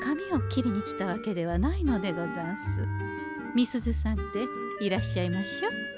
美鈴さんっていらっしゃいましょ？